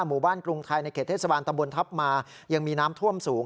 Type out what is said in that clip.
หมู่บ้านกรุงไทยในเขตเทศบาลตำบลทัพมายังมีน้ำท่วมสูง